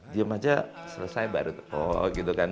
diem aja selesai baru oh gitu kan